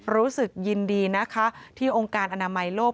รู้สึกยินดีนะคะที่องค์การอนามัยโลก